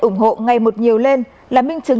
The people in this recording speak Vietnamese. ủng hộ ngày một nhiều lên là minh chứng